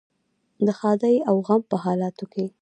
د ښادۍ او غم په حالاتو کې.